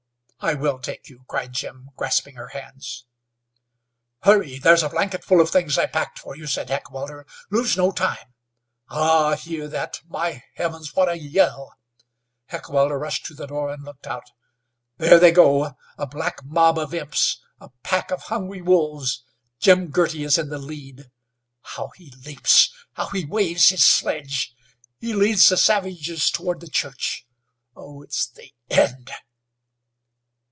"Nell, I will take you," cried Jim, grasping her hands. "Hurry! There's a blanket full of things I packed for you," said Heckewelder. "Lose no time. Ah! hear that! My Heavens! what a yell!" Heckewelder rushed to the door and looked out. "There they go, a black mob of imps; a pack of hungry wolves! Jim Girty is in the lead. How he leaps! How he waves his sledge! He leads the savages toward the church. Oh! it's the end!"